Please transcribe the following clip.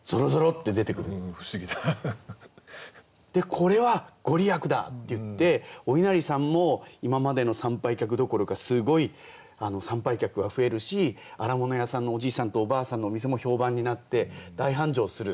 「これは御利益だ！」って言ってお稲荷さんも今までの参拝客どころかすごい参拝客は増えるし荒物屋さんのおじいさんとおばあさんのお店も評判になって大繁盛する。